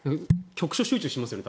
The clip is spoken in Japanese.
局所集中しますよね。